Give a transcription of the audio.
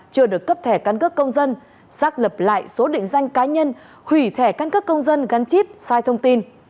chưa được cấp thẻ căn cước công dân xác lập lại số định danh cá nhân hủy thẻ căn cước công dân gắn chip sai thông tin